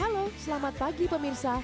halo selamat pagi pemirsa